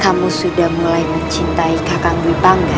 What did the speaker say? kamu sudah mulai mencintai kakang dwi pangga